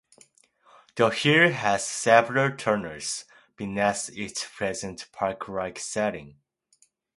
The hill has several tunnels beneath its present parklike setting.